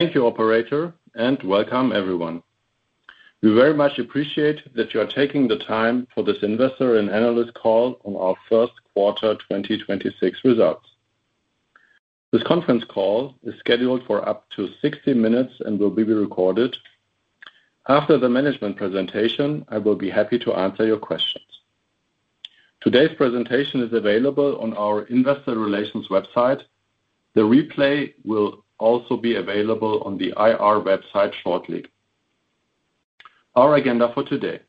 Thank you operator, and welcome everyone. We very much appreciate that you are taking the time for this investor and analyst call on our first quarter 2026 results. This conference call is scheduled for up to 60 minutes and will be recorded. After the management presentation, I will be happy to answer your questions. Today's presentation is available on our investor relations website. The replay will also be available on the IR website shortly. Our agenda for today.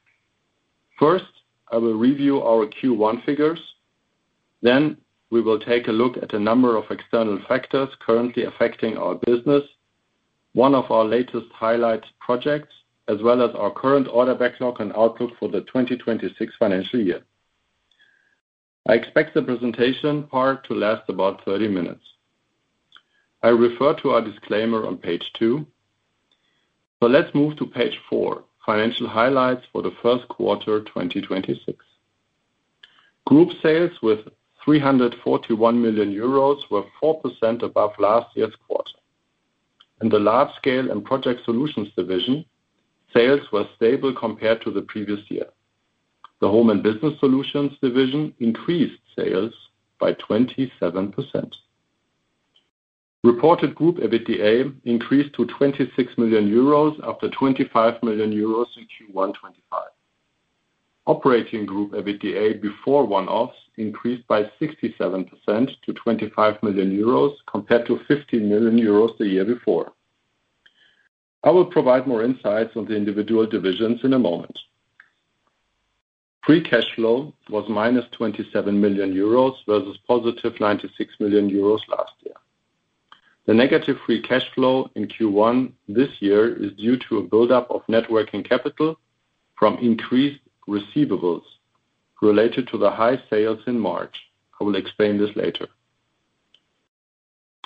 First, I will review our Q1 figures. We will take a look at a number of external factors currently affecting our business, one of our latest highlights projects, as well as our current order backlog and outlook for the 2026 financial year. I expect the presentation part to last about 30 minutes. I refer to our disclaimer on page two. Let's move to page four, financial highlights for the first quarter 2026. Group sales with 341 million euros were 4% above last year's quarter. In the Large Scale & Project Solutions division, sales were stable compared to the previous year. The Home & Business Solutions division increased sales by 27%. Reported group EBITDA increased to 26 million euros after 25 million euros in Q1 2025. Operating group EBITDA before one-offs increased by 67% to 25 million euros compared to 15 million euros the year before. I will provide more insights on the individual divisions in a moment. Free cash flow was -27 million euros versus +96 million euros last year. The negative free cash flow in Q1 this year is due to a buildup of net working capital from increased receivables related to the high sales in March. I will explain this later.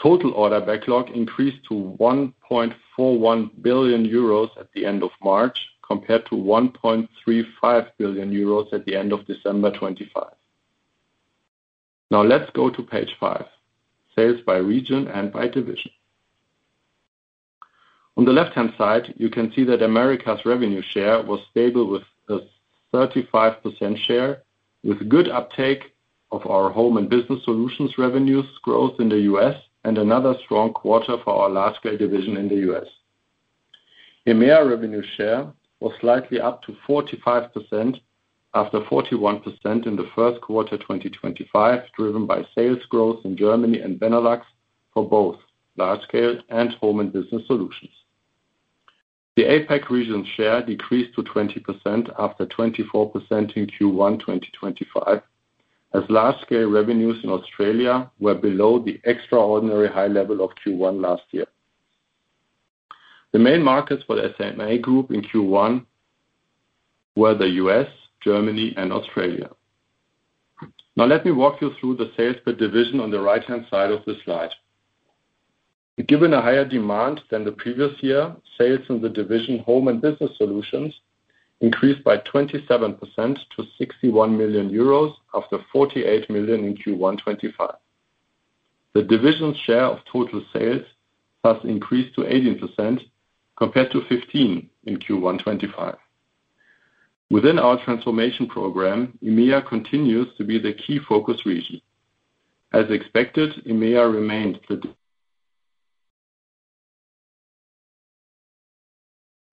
Total order backlog increased to 1.41 billion euros at the end of March, compared to 1.35 billion euros at the end of December 2025. Now let's go to page five, sales by region and by division. On the left-hand side, you can see that America's revenue share was stable with a 35% share, with good uptake of our Home and Business Solutions revenues growth in the U.S. and another strong quarter for our Large Scale & Project Solutions in the U.S. EMEA revenue share was slightly up to 45% after 41% in the first quarter 2025, driven by sales growth in Germany and Benelux for both Large Scale & Project Solutions and Home and Business Solutions. The APAC region share decreased to 20% after 24% in Q1 2025, as Large Scale revenues in Australia were below the extraordinary high level of Q1 last year. The main markets for the SMA Group in Q1 were the U.S., Germany, and Australia. Let me walk you through the sales per division on the right-hand side of the slide. Given a higher demand than the previous year, sales in the division Home and Business Solutions increased by 27% to 61 million euros after 48 million in Q1 2025. The division share of total sales thus increased to 18% compared to 15% in Q1 2025. Within our transformation program, EMEA continues to be the key focus region. As expected, EMEA remained the-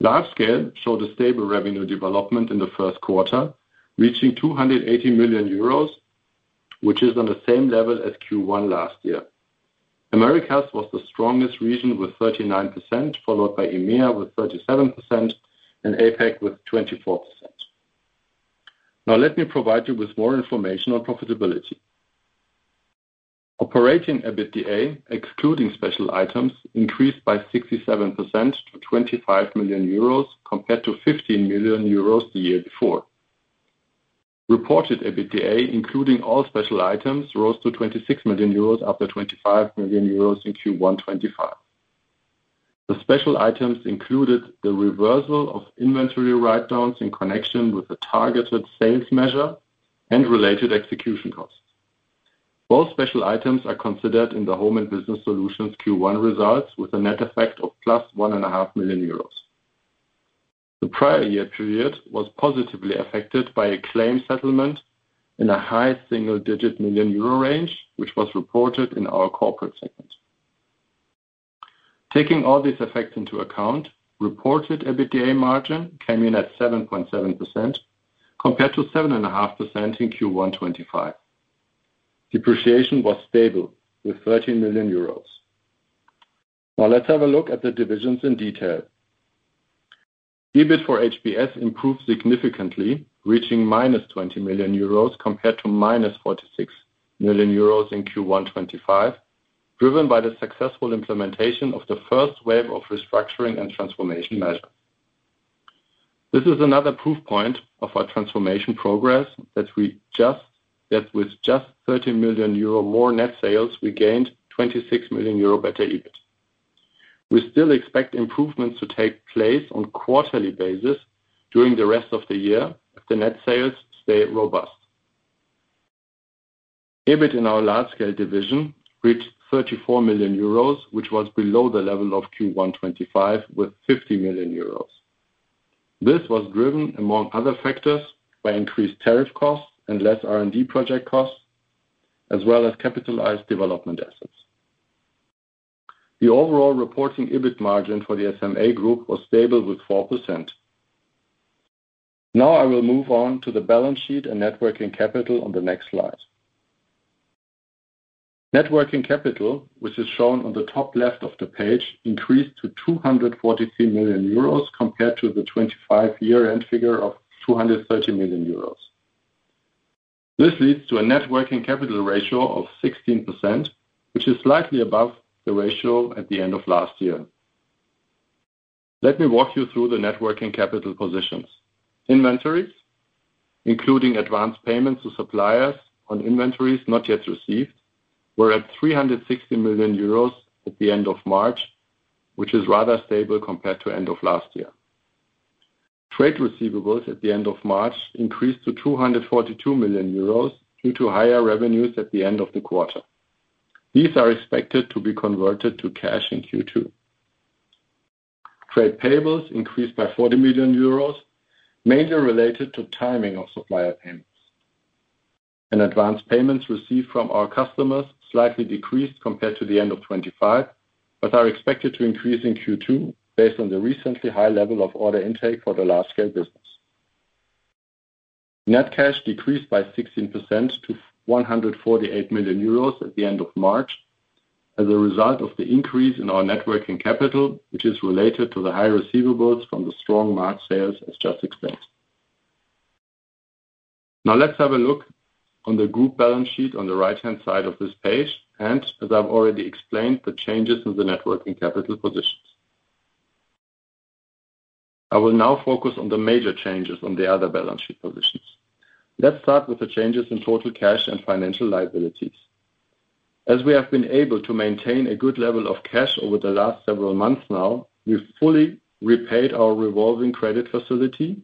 Large Scale showed a stable revenue development in the first quarter, reaching 280 million euros, which is on the same level as Q1 last year. Americas was the strongest region with 39%, followed by EMEA with 37% and APAC with 24%. Let me provide you with more information on profitability. Operating EBITDA, excluding special items, increased by 67% to 25 million euros compared to 15 million euros the year before. Reported EBITDA, including all special items, rose to 26 million euros after 25 million euros in Q1 2025. The special items included the reversal of inventory write-downs in connection with the targeted sales measure and related execution costs. Both special items are considered in the Home and Business Solutions Q1 results with a net effect of +1.5 Million euros. The prior year period was positively affected by a claim settlement in a high single-digit 1 million euro range, which was reported in our corporate segment. Taking all these effects into account, reported EBITDA margin came in at 7.7% compared to 7.5% in Q1 2025. Depreciation was stable with 13 million euros. Now let's have a look at the divisions in detail. EBIT for HBS improved significantly, reaching -20 million euros compared to -46 million euros in Q1 2025, driven by the successful implementation of the first wave of restructuring and transformation measures. This is another proof point of our transformation progress that with just 13 million euro more net sales, we gained 26 million euro better EBIT. We still expect improvements to take place on quarterly basis during the rest of the year if the net sales stay robust. EBIT in our large-scale division reached 34 million euros, which was below the level of Q1 2025 with 50 million euros. This was driven, among other factors, by increased tariff costs and less R&D project costs, as well as capitalized development assets. The overall reporting EBIT margin for the SMA Group was stable with 4%. Now I will move on to the balance sheet and net working capital on the next slide. Net working capital, which is shown on the top left of the page, increased to 243 million euros compared to the 2025 year-end figure of 230 million euros. This leads to a net working capital ratio of 16%, which is slightly above the ratio at the end of last year. Let me walk you through the net working capital positions. Inventories, including advance payments to suppliers on inventories not yet received, were at 360 million euros at the end of March, which is rather stable compared to end of last year. Trade receivables at the end of March increased to 242 million euros due to higher revenues at the end of the quarter. These are expected to be converted to cash in Q2. Trade payables increased by 40 million euros, mainly related to timing of supplier payments. Advanced payments received from our customers slightly decreased compared to the end of 2025, but are expected to increase in Q2 based on the recently high level of order intake for the large-scale business. Net cash decreased by 16% to 148 million euros at the end of March as a result of the increase in our net working capital, which is related to the high receivables from the strong March sales as just explained. Let's have a look on the group balance sheet on the right-hand side of this page, as I've already explained, the changes in the net working capital positions. I will now focus on the major changes on the other balance sheet positions. Let's start with the changes in total cash and financial liabilities. As we have been able to maintain a good level of cash over the last several months now, we've fully repaid our revolving credit facility,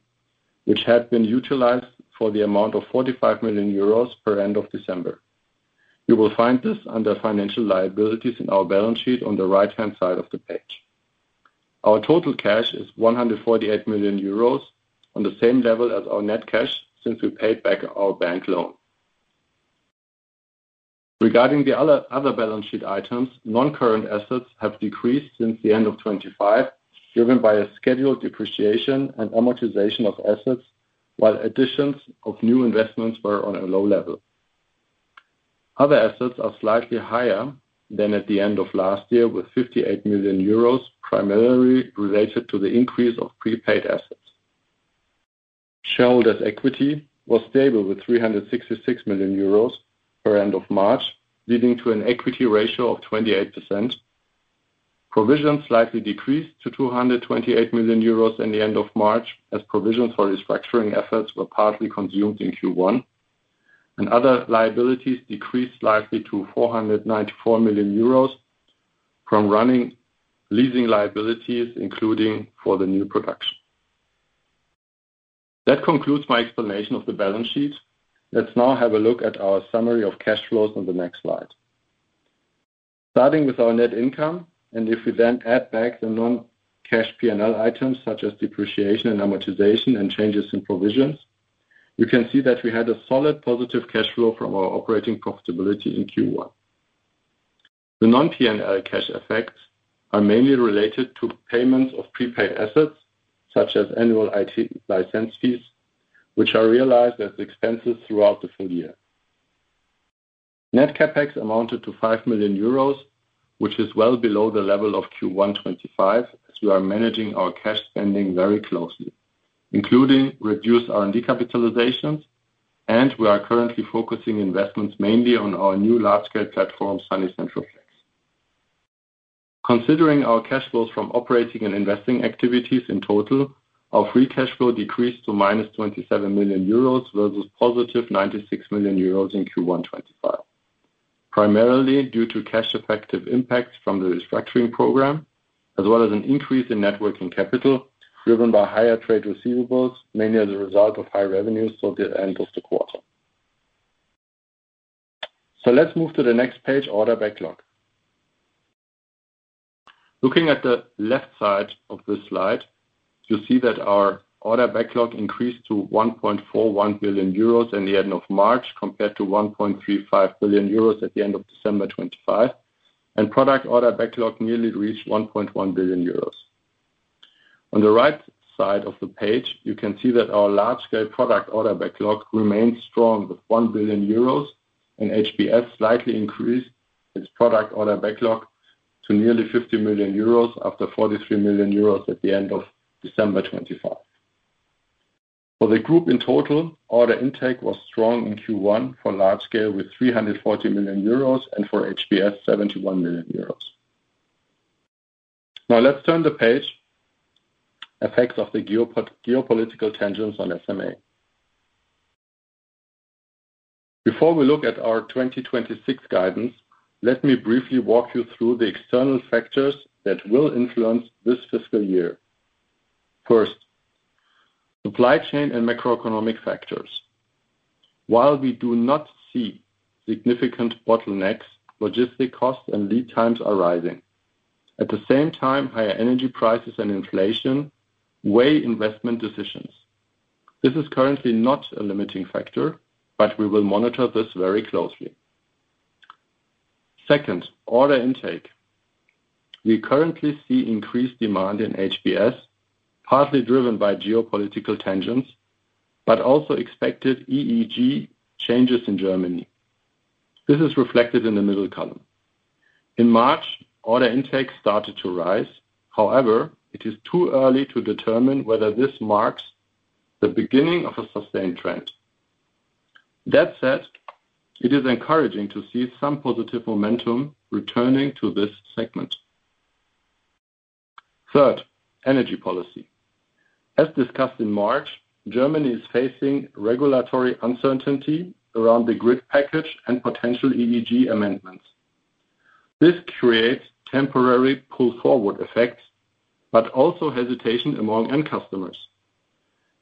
which had been utilized for the amount of 45 million euros per end of December. You will find this under financial liabilities in our balance sheet on the right-hand side of the page. Our total cash is 148 million euros, on the same level as our net cash since we paid back our bank loan. Regarding the other balance sheet items, non-current assets have decreased since the end of 2025, driven by a scheduled depreciation and amortization of assets, while additions of new investments were on a low level. Other assets are slightly higher than at the end of last year with 58 million euros, primarily related to the increase of prepaid assets. Shareholders' equity was stable with 366 million euros per end of March, leading to an equity ratio of 28%. Provisions slightly decreased to 228 million euros in the end of March, as provisions for restructuring efforts were partly consumed in Q1. Other liabilities decreased slightly to 494 million euros from running leasing liabilities, including for the new production. That concludes my explanation of the balance sheet. Let's now have a look at our summary of cash flows on the next slide. Starting with our net income, and if we then add back the non-cash P&L items such as depreciation and amortization and changes in provisions, you can see that we had a solid positive cash flow from our operating profitability in Q1. The non-P&L cash effects are mainly related to payments of prepaid assets, such as annual IT license fees, which are realized as expenses throughout the full year. Net CapEx amounted to 5 million euros, which is well below the level of Q1 2025, as we are managing our cash spending very closely, including reduced R&D capitalizations, and we are currently focusing investments mainly on our new large-scale platform, Sunny Central FLEX. Considering our cash flows from operating and investing activities in total, our free cash flow decreased to -27 million euros versus +96 million euros in Q1 2025. Primarily due to cash effective impacts from the restructuring program, as well as an increase in net working capital driven by higher trade receivables, mainly as a result of high revenues toward the end of the quarter. Let's move to the next page, order backlog. Looking at the left side of this slide, you see that our order backlog increased to 1.41 billion euros in the end of March compared to 1.35 billion euros at the end of December 2025, and product order backlog nearly reached 1.1 billion euros. On the right side of the page, you can see that our large-scale product order backlog remains strong with 1 billion euros, and HBS slightly increased its product order backlog to nearly 50 million euros after 43 million euros at the end of December 2025. For the group in total, order intake was strong in Q1 for large-scale with 340 million euros and for HBS, 71 million euros. Let's turn the page. Effects of the geopolitical tensions on SMA. Before we look at our 2026 guidance, let me briefly walk you through the external factors that will influence this fiscal year. First, Supply chain and macroeconomic factors. We do not see significant bottlenecks, logistic costs and lead times are rising. At the same time, higher energy prices and inflation weigh investment decisions. This is currently not a limiting factor, we will monitor this very closely. Second, order intake. We currently see increased demand in HBS, partly driven by geopolitical tensions, also expected EEG changes in Germany. This is reflected in the middle column. In March, order intake started to rise. However, it is too early to determine whether this marks the beginning of a sustained trend. That said, it is encouraging to see some positive momentum returning to this segment. Third, energy policy. As discussed in March, Germany is facing regulatory uncertainty around the grid package and potential EEG amendments. This creates temporary pull forward effects, but also hesitation among end customers.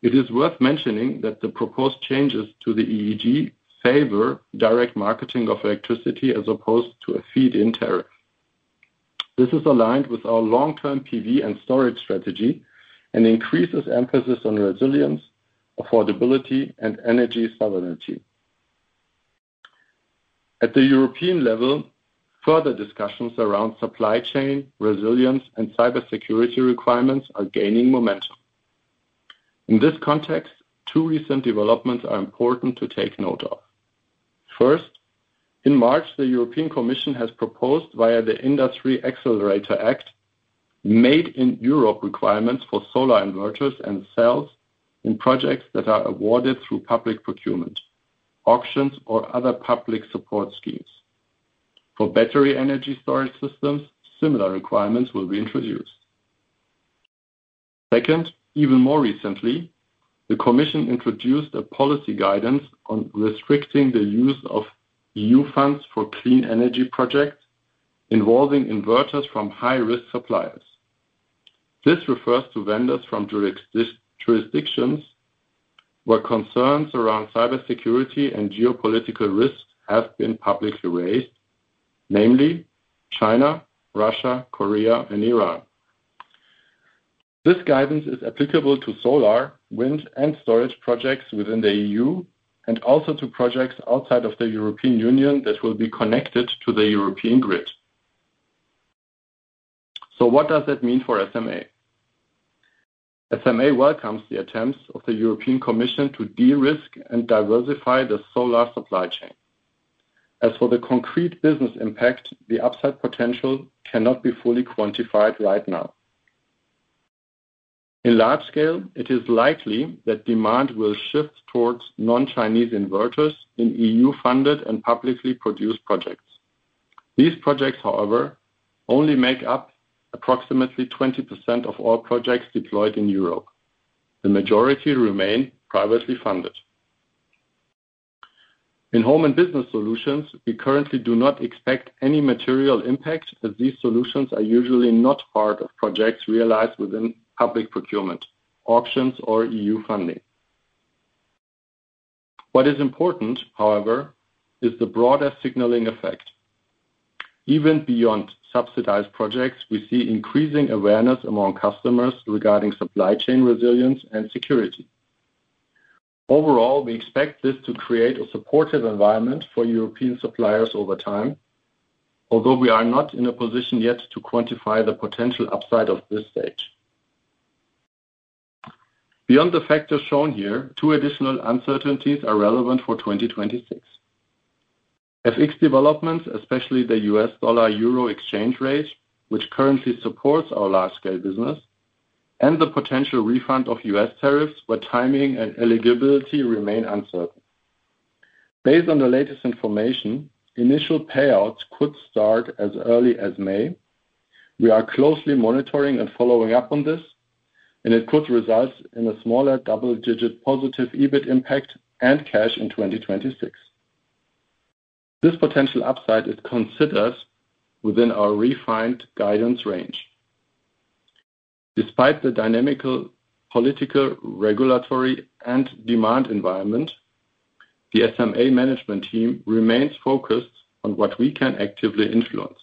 It is worth mentioning that the proposed changes to the EEG favor direct marketing of electricity as opposed to a feed-in tariff. This is aligned with our long-term PV and storage strategy and increases emphasis on resilience, affordability, and energy sovereignty. At the European level, further discussions around supply chain resilience and cybersecurity requirements are gaining momentum. In this context, two recent developments are important to take note of. First, in March, the European Commission has proposed via the Industrial Accelerator Act, made in Europe requirements for solar inverters and cells in projects that are awarded through public procurement, auctions or other public support schemes. For battery energy storage systems, similar requirements will be introduced. Second, even more recently, the Commission introduced a policy guidance on restricting the use of EU funds for clean energy projects involving inverters from high-risk suppliers. This refers to vendors from jurisdictions where concerns around cybersecurity and geopolitical risks have been publicly raised, namely China, Russia, Korea, and Iran. This guidance is applicable to solar, wind, and storage projects within the EU and also to projects outside of the European Union that will be connected to the European grid. What does that mean for SMA? SMA welcomes the attempts of the European Commission to de-risk and diversify the solar supply chain. As for the concrete business impact, the upside potential cannot be fully quantified right now. In large scale, it is likely that demand will shift towards non-Chinese inverters in EU-funded and publicly produced projects. These projects, however, only make up approximately 20% of all projects deployed in Europe. The majority remain privately funded. In Home and Business Solutions, we currently do not expect any material impact as these solutions are usually not part of projects realized within public procurement, auctions or EU funding. What is important, however, is the broader signaling effect. Even beyond subsidized projects, we see increasing awareness among customers regarding supply chain resilience and security. Overall, we expect this to create a supportive environment for European suppliers over time. Although we are not in a position yet to quantify the potential upside of this stage. Beyond the factors shown here, two additional uncertainties are relevant for 2026. FX developments, especially the U.S. dollar-euro exchange rate, which currently supports our large scale business and the potential refund of U.S. tariffs, where timing and eligibility remain uncertain. Based on the latest information, initial payouts could start as early as May. We are closely monitoring and following up on this. It could result in a smaller double-digit positive EBIT impact and cash in 2026. This potential upside is considered within our refined guidance range. Despite the dynamic, political, regulatory, and demand environment, the SMA management team remains focused on what we can actively influence,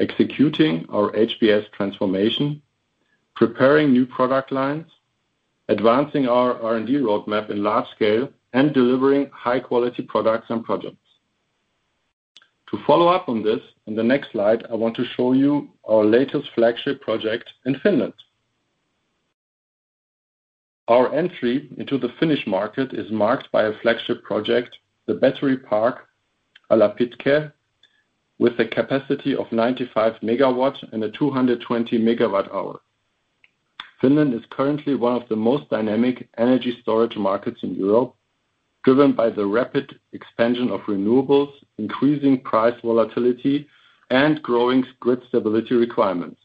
executing our HBS transformation, preparing new product lines, advancing our R&D roadmap in Large Scale, and delivering high-quality products and projects. To follow up on this, in the next slide, I want to show you our latest flagship project in Finland. Our entry into the Finnish market is marked by a flagship project, the Battery Park Alapitkä, with a capacity of 95 MW and a 220 MWh. Finland is currently one of the most dynamic energy storage markets in Europe, driven by the rapid expansion of renewables, increasing price volatility, and growing grid stability requirements.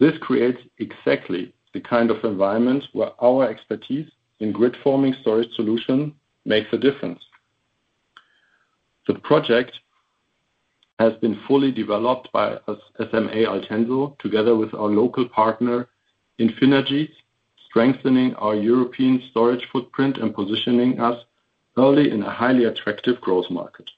This creates exactly the kind of environment where our expertise in grid-forming storage solution makes a difference. The project has been fully developed by us, SMA Altenso, together with our local partner, Infinergies, strengthening our European storage footprint and positioning us early in a highly attractive growth market.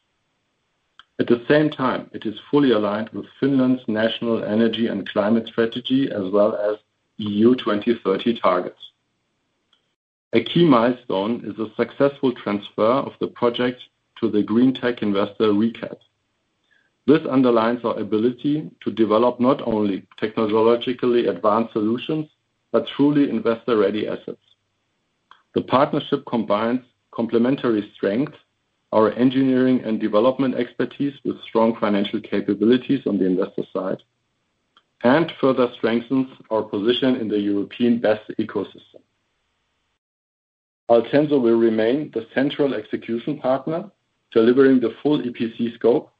At the same time, it is fully aligned with Finland's National Energy and Climate strategy as well as EU 2030 targets. A key milestone is a successful transfer of the project to the greentech investor, re:cap. This underlines our ability to develop not only technologically advanced solutions, but truly investor-ready assets. The partnership combines complementary strength, our engineering and development expertise with strong financial capabilities on the investor side and further strengthens our position in the European BESS ecosystem. Altenso will remain the central execution partner, delivering the full EPC scope,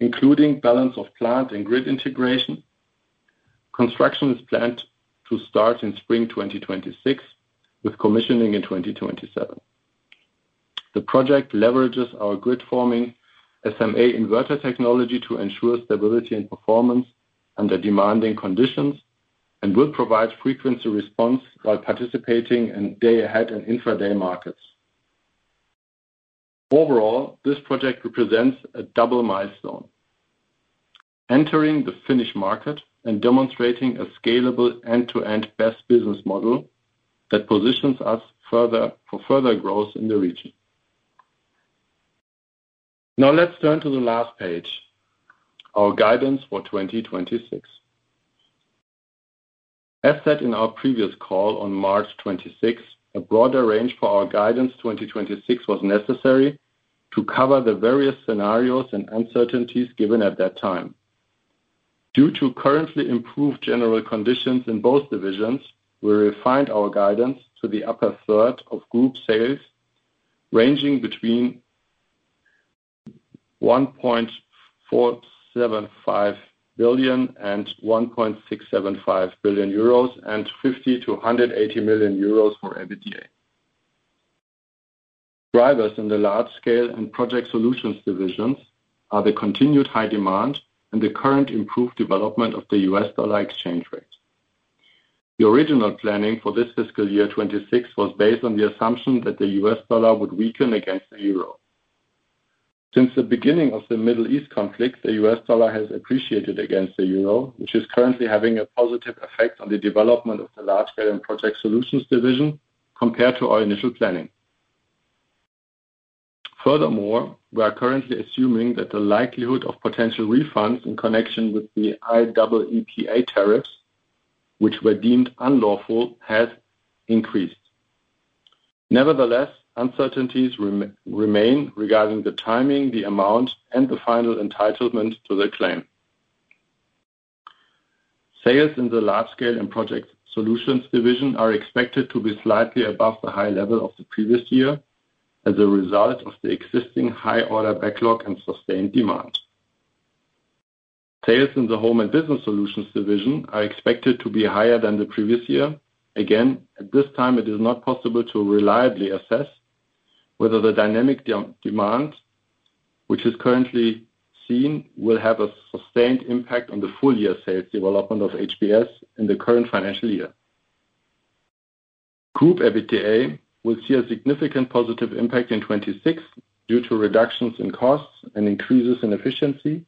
including balance of plant and grid integration. Construction is planned to start in spring 2026, with commissioning in 2027. The project leverages our grid-forming SMA inverter technology to ensure stability and performance under demanding conditions, and will provide frequency response while participating in day-ahead and intraday markets. Overall, this project represents a double milestone: entering the Finnish market and demonstrating a scalable end-to-end BESS business model that positions us for further growth in the region. Now let's turn to the last page, our guidance for 2026. As said in our previous call on March 26th, a broader range for our guidance 2026 was necessary to cover the various scenarios and uncertainties given at that time. Due to currently improved general conditions in both divisions, we refined our guidance to the upper third of group sales ranging between 1.475 billion and 1.675 billion euros and 50 million-180 million euros for EBITDA. Drivers in the Large Scale and Project Solutions divisions are the continued high demand and the current improved development of the U.S. dollar exchange rate. The original planning for this fiscal year 2026 was based on the assumption that the U.S. dollar would weaken against the euro. Since the beginning of the Middle East conflict, the U.S. dollar has appreciated against the euro, which is currently having a positive effect on the development of the Large Scale and Project Solutions Division compared to our initial planning. Furthermore, we are currently assuming that the likelihood of potential refunds in connection with the IEEPA tariffs, which were deemed unlawful, has increased. Nevertheless, uncertainties remain regarding the timing, the amount, and the final entitlement to the claim. Sales in the Large Scale and Project Solutions Division are expected to be slightly above the high level of the previous year as a result of the existing high order backlog and sustained demand. Sales in the Home and Business Solutions Division are expected to be higher than the previous year. Again, at this time, it is not possible to reliably assess whether the dynamic de-demand, which is currently seen, will have a sustained impact on the full-year sales development of HBS in the current financial year. Group EBITDA will see a significant positive impact in 2026 due to reductions in costs and increases in efficiency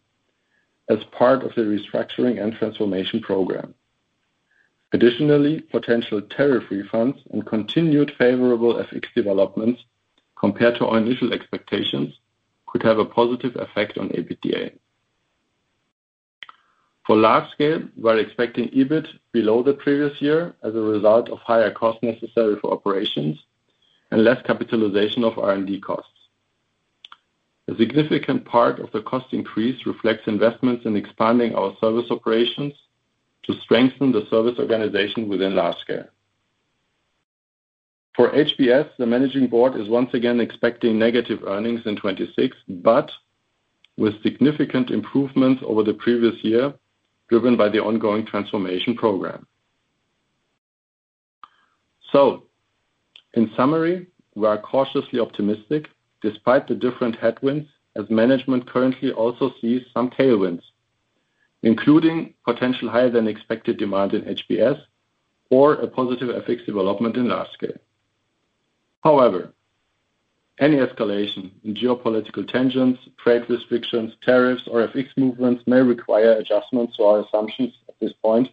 as part of the restructuring and transformation program. Additionally, potential tariff refunds and continued favorable FX developments compared to our initial expectations could have a positive effect on EBITDA. For Large Scale, we are expecting EBIT below the previous year as a result of higher costs necessary for operations and less capitalization of R&D costs. A significant part of the cost increase reflects investments in expanding our service operations to strengthen the service organization within Large Scale. For HBS, the Managing Board is once again expecting negative earnings in 2026, but with significant improvements over the previous year, driven by the ongoing transformation program. In summary, we are cautiously optimistic despite the different headwinds as management currently also sees some tailwinds, including potential higher than expected demand in HBS or a positive FX development in Large Scale. Any escalation in geopolitical tensions, trade restrictions, tariffs, or FX movements may require adjustments to our assumptions at this point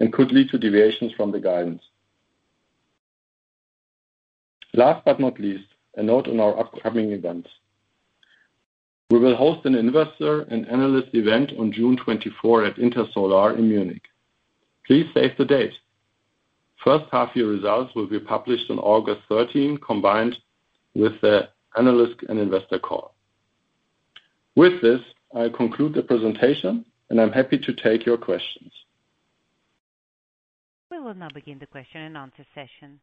and could lead to deviations from the guidance. Last but not least, a note on our upcoming events. We will host an investor and analyst event on June 24 at Intersolar in Munich. Please save the date. First half-year results will be published on August 13, combined with the analyst and investor call. With this, I conclude the presentation, and I'm happy to take your questions. We will now begin the question-and-answer session.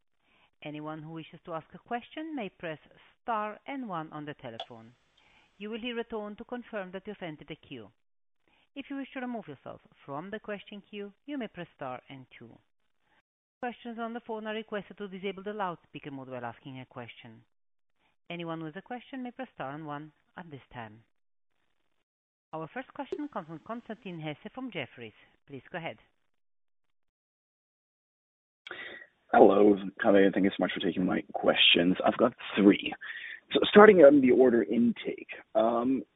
Anyone who wishes to ask a question may press star and one on the telephone. You will hear a tone to confirm that you've entered the queue. If you wish to remove yourself from the question queue, you may press star and two. Questions on the phone are requested to disable the loudspeaker mode while asking a question. Anyone with a question may press star and one at this time. Our first question comes from Constantin Hesse from Jefferies. Please go ahead. Hello, Kaveh. Thank you so much for taking my questions. I've got three. Starting on the order intake,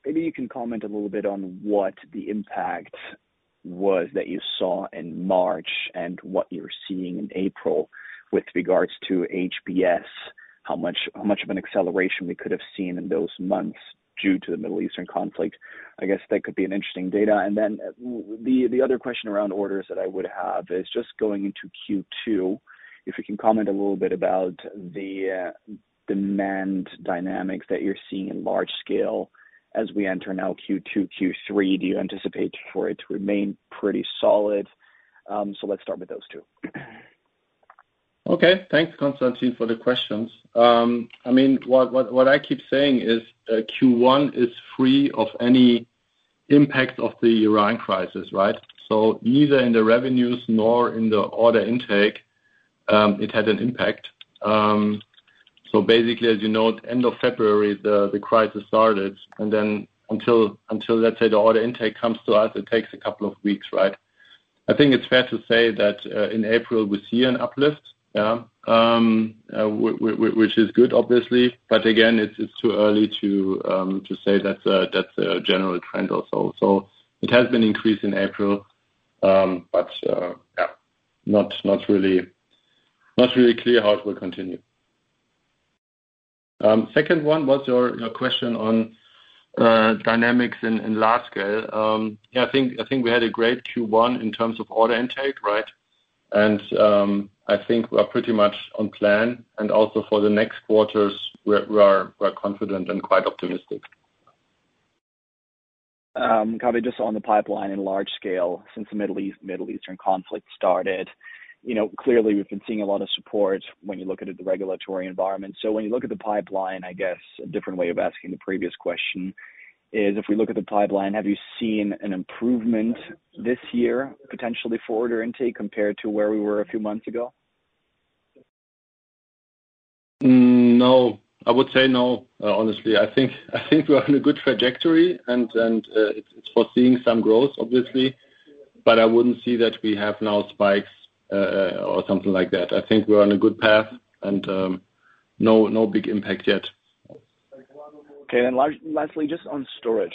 maybe you can comment a little bit on what the impact was that you saw in March and what you're seeing in April with regards to HBS. How much of an acceleration we could have seen in those months due to the Middle Eastern conflict. I guess that could be an interesting data. The other question around orders that I would have is just going into Q2, if you can comment a little bit about the demand dynamics that you're seeing in large scale as we enter now Q2, Q3. Do you anticipate for it to remain pretty solid? Let's start with those two. Okay. Thanks, Constantin, for the questions. I mean, what I keep saying is, Q1 is free of any impact of the Iran crisis, right? Neither in the revenues nor in the order intake, it had an impact. Basically, as you know, at end of February, the crisis started, until, let's say, the order intake comes to us, it takes a couple of weeks, right? I think it's fair to say that in April we see an uplift. Yeah. Which is good, obviously. Again, it's too early to say that's a general trend also. It has been increased in April, yeah, not really clear how it will continue. Second one, what's your question on dynamics in large scale? I think we had a great Q1 in terms of order intake, right? I think we are pretty much on plan and also for the next quarters, we are confident and quite optimistic. Kaveh, just on the pipeline in Large Scale since the Middle Eastern conflict started. You know, clearly we've been seeing a lot of support when you look at the regulatory environment. When you look at the pipeline, I guess a different way of asking the previous question is if we look at the pipeline, have you seen an improvement this year, potentially for order intake compared to where we were a few months ago? No. I would say no. Honestly, I think we're on a good trajectory and, it's foreseeing some growth, obviously. I wouldn't see that we have now spikes, or something like that. I think we're on a good path and, no big impact yet. Okay. lastly, just on storage.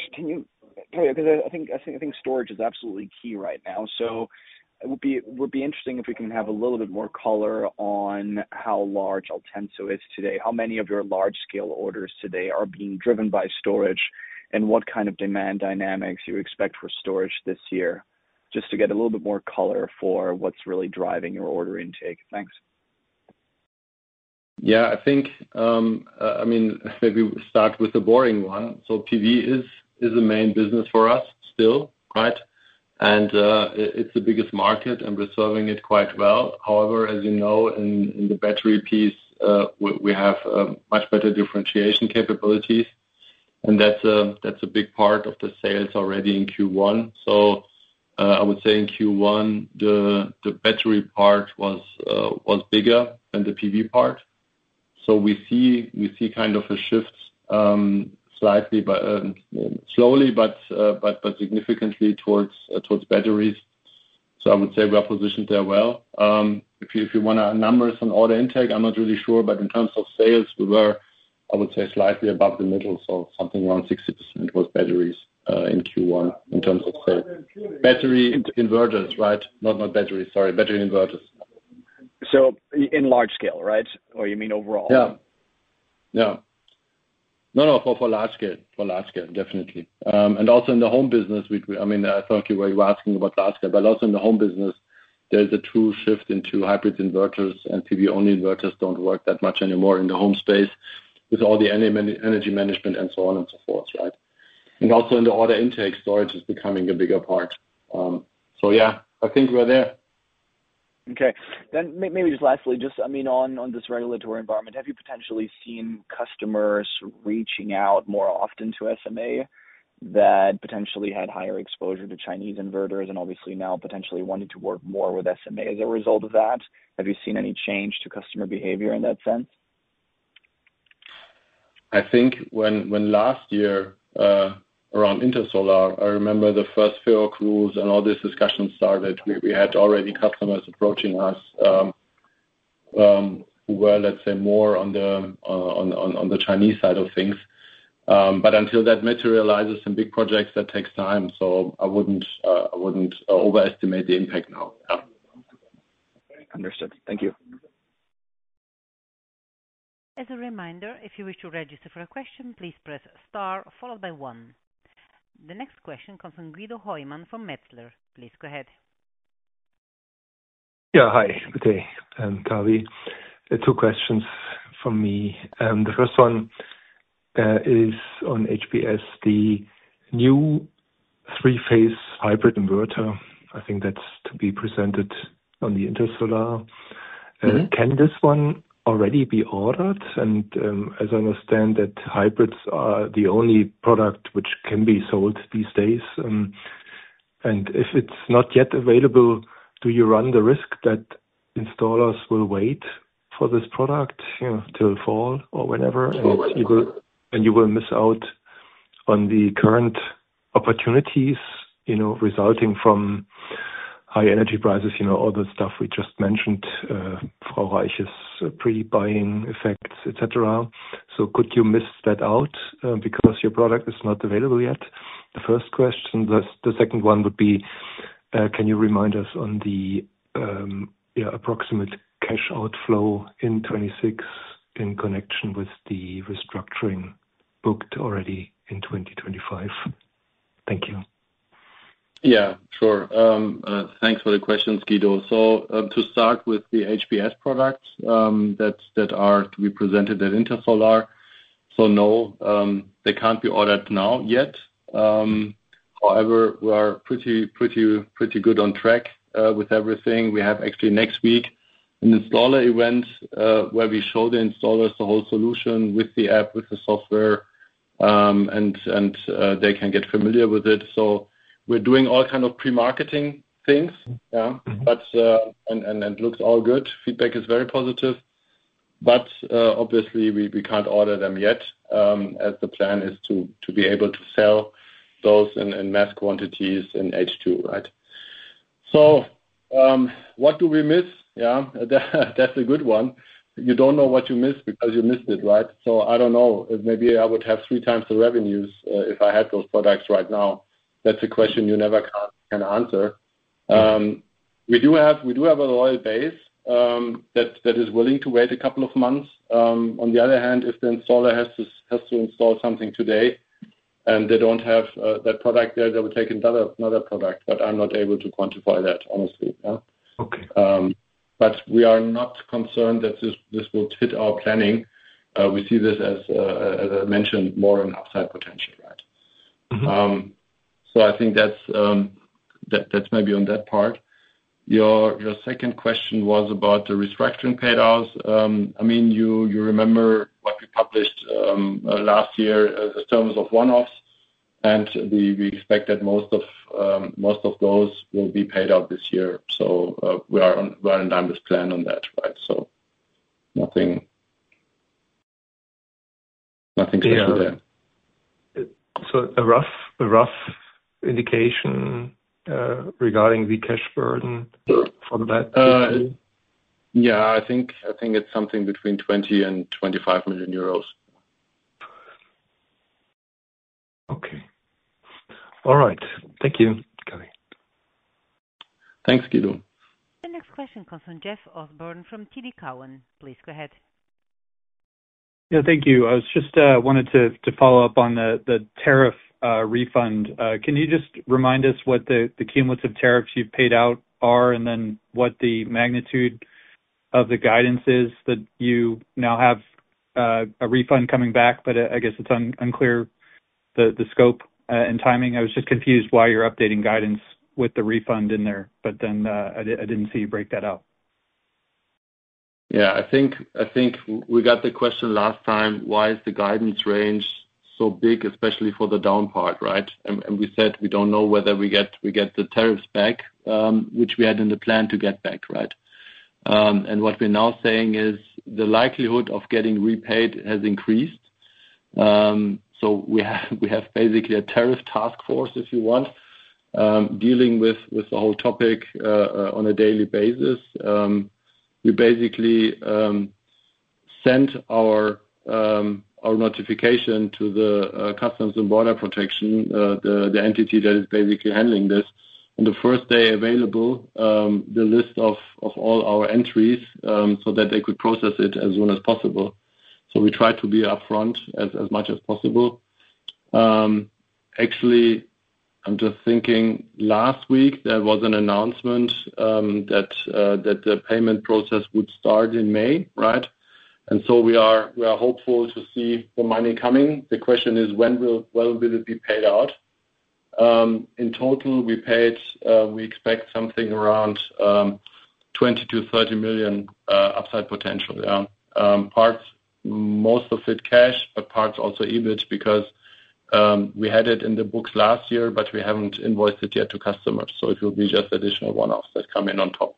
Kaveh I think storage is absolutely key right now. It would be interesting if we can have a little bit more color on how large Altenso is today, how many of your large scale orders today are being driven by storage, and what kind of demand dynamics you expect for storage this year. Just to get a little bit more color for what's really driving your order intake. Thanks. I think, maybe we start with the boring one. PV is the main business for us still, right? It's the biggest market, and we're serving it quite well. However, as you know, in the battery piece, we have much better differentiation capabilities, and that's a big part of the sales already in Q1. I would say in Q1, the battery part was bigger than the PV part. We see kind of a shift, slightly, but slowly, but significantly towards batteries. I would say we are positioned there well. If you want numbers on order intake, I'm not really sure, but in terms of sales, we were, I would say slightly above the middle. Something around 60% was batteries in Q1 in terms of sales. Battery inverters, right? Not batteries. Sorry. Battery inverters. In Large Scale, right? Or you mean overall? Yeah. Yeah. No, no, for large scale. For large scale, definitely. Also in the home business, I mean, I thought you were asking about large scale, but also in the home business, there's a true shift into hybrid inverters and PV-only inverters don't work that much anymore in the home space with all the energy management and so on and so forth, right? Also in the order intake, storage is becoming a bigger part. Yeah, I think we're there. Okay. maybe just lastly, just I mean, on this regulatory environment, have you potentially seen customers reaching out more often to SMA that potentially had higher exposure to Chinese inverters and obviously now potentially wanting to work more with SMA as a result of that? Have you seen any change to customer behavior in that sense? I think when last year, around Intersolar, I remember the first few rules and all these discussions started, we had already customers approaching us, who were, let's say, more on the Chinese side of things. Until that materializes in big projects, that takes time. I wouldn't overestimate the impact now. Yeah. Understood. Thank you. As a reminder, if you wish to register for a question, please press star followed by one. The next question comes from Guido Hoymann from Metzler. Please go ahead. Yeah. Hi. Good day, Kaveh. Two questions from me. The first one is on HBS, the new three-phase hybrid inverter. I think that's to be presented on the Intersolar. Can this one already be ordered? As I understand that hybrids are the only product which can be sold these days, if it's not yet available, do you run the risk that installers will wait for this product, you know, till fall or whenever? You will miss out on the current opportunities, you know, resulting from high energy prices, you know, all the stuff we just mentioned for purchase, pre-buying effects, etc. Could you miss that out because your product is not available yet? The first question. The second one would be, can you remind us on the approximate cash outflow in 2026 in connection with the restructuring booked already in 2025? Thank you. Yeah, sure. Thanks for the questions, Guido. To start with the HBS products that are to be presented at Intersolar. No, they can't be ordered now yet. However, we are pretty good on track with everything. We have actually next week an installer event where we show the installers the whole solution with the app, with the software, and they can get familiar with it. We're doing all kind of pre-marketing things, yeah. It looks all good. Feedback is very positive. Obviously we can't order them yet as the plan is to be able to sell those in mass quantities in H2, right? What do we miss? Yeah, that's a good one. You don't know what you missed because you missed it, right? I don't know. Maybe I would have 3x the revenues if I had those products right now. That's a question you never can answer. We do have a loyal base that is willing to wait a couple of months. On the other hand, if the installer has to install something today and they don't have that product there, they will take another product. I'm not able to quantify that, honestly. Okay. We are not concerned that this will fit our planning. We see this as I mentioned, more on upside potential, right? I think that's maybe on that part. Your second question was about the restructuring payoffs. I mean, you remember what we published last year as terms of one-offs, and we expect that most of those will be paid out this year. We are on, well on time with plan on that, right? Nothing special there. A rough indication regarding the cash burden for that. Yeah, I think it's something between 20 million and 25 million euros. Okay. All right. Thank you, Kaveh. Thanks, Guido. The next question comes from Jeff Osborne from TD Cowen. Please go ahead. Yeah, thank you. I was just wanted to follow up on the tariff refund. Can you just remind us what the cumulative tariffs you've paid out are and then what the magnitude of the guidance is that you now have a refund coming back? I didn't see you break that out. Yeah, I think we got the question last time, why is the guidance range so big, especially for the down part, right? We said we don't know whether we get the tariffs back, which we had in the plan to get back, right? What we're now saying is the likelihood of getting repaid has increased. We have basically a tariff task force, if you want, dealing with the whole topic on a daily basis. We basically sent our notification to the Customs and Border Protection, the entity that is basically handling this, on the 1st day available, the list of all our entries, so that they could process it as soon as possible. We try to be upfront as much as possible. Actually, I'm just thinking last week there was an announcement that the payment process would start in May, right? We are hopeful to see the money coming. The question is when will it be paid out? In total, we expect something around 20 million-30 million upside potential. Parts, most of it cash, but parts also in kind because we had it in the books last year, but we haven't invoiced it yet to customers. It will be just additional one-offs that come in on top.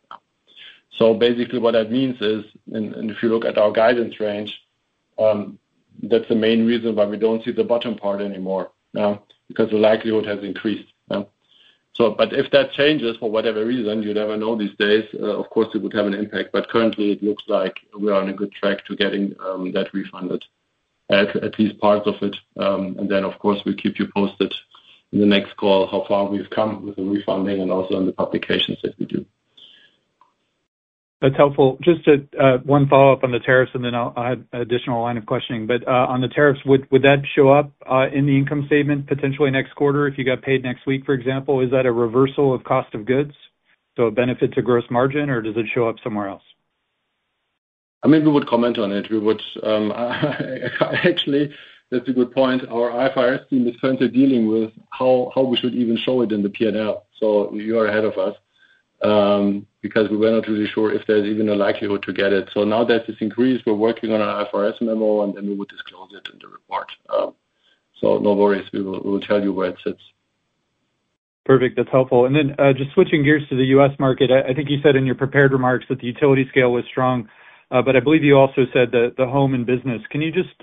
What that means is if you look at our guidance range, that's the main reason why we don't see the bottom part anymore because the likelihood has increased. Yeah. If that changes for whatever reason, you never know these days, of course, it would have an impact. Currently it looks like we are on a good track to getting that refunded, at least part of it. Then, of course, we'll keep you posted in the next call how far we've come with the refunding and also on the publications that we do. That's helpful. Just one follow-up on the tariffs, and then I have additional line of questioning. On the tariffs, would that show up in the income statement potentially next quarter if you got paid next week, for example? Is that a reversal of cost of goods, so a benefit to gross margin, or does it show up somewhere else? I mean, we would comment on it. We would, actually, that's a good point. Our IFRS team is currently dealing with how we should even show it in the P&L. You are ahead of us, because we were not really sure if there's even a likelihood to get it. Now that it's increased, we're working on an IFRS memo, and then we would disclose it in the report. No worries. We will tell you where it sits. Perfect. That's helpful. Just switching gears to the U.S. market. I think you said in your prepared remarks that the utility scale was strong, I believe you also said the Home and Business. Can you just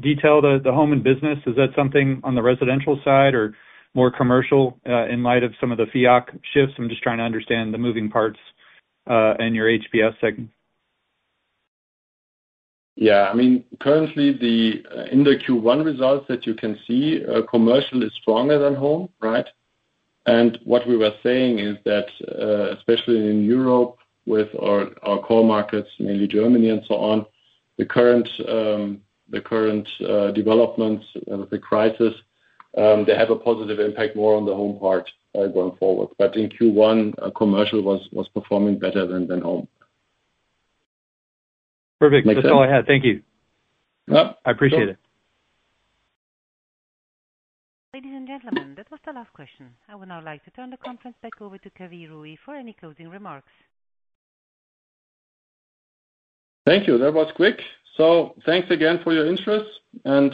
detail the Home and Business? Is that something on the residential side or more commercial in light of some of the FEOC shifts? I'm just trying to understand the moving parts in your HBS segment. Yeah. I mean, currently the, in the Q1 results that you can see, commercial is stronger than home, right? What we were saying is that, especially in Europe with our core markets, mainly Germany and so on, the current developments of the crisis, they have a positive impact more on the home part, going forward. In Q1, commercial was performing better than home. Perfect. Make sense? That's all I had. Thank you. Yeah. I appreciate it. Ladies and gentlemen, that was the last question. I would now like to turn the conference back over to Kaveh Rouhi for any closing remarks. Thank you. That was quick. Thanks again for your interest.